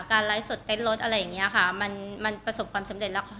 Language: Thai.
การไลฟ์สดเต็มรถอะไรอย่างเงี้ยค่ะมันมันประสบความสำเร็จแล้ว